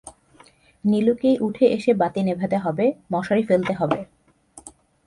নীলুকেই উঠে এসে বাতি নেভাতে হবে, মশারি ফেলতে হবে।